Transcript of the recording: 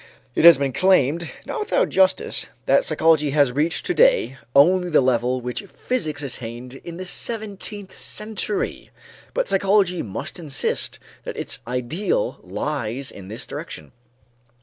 It has been claimed, not without justice, that psychology has reached to day only the level which physics attained in the seventeenth century; but psychology must insist that its ideal lies in this direction.